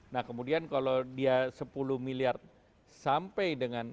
nah kemudian kalau dia sepuluh miliar sampai dengan